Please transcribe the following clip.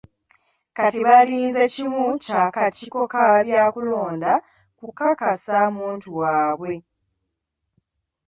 Kati balinze kimu kya kakiiko ka byakulonda kukakasa muntu waabwe.